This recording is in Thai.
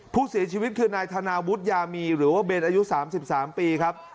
ผู้เสียชีวิตคือนายธนาวุฒิยามีหรือว่าเบนอายุ๓๓ปีครับ